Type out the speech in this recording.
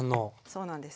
そうなんです。